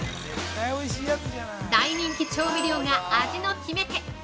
◆大人気調味料が味の決め手